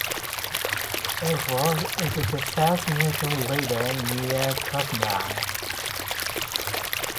It flows into the South Nation River near Casselman.